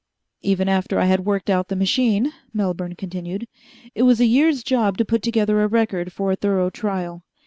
"Even after I had worked out the machine," Melbourne continued, "it was a year's job to put together a record for a thorough trial.